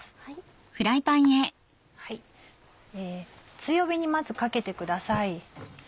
強火にまずかけてください。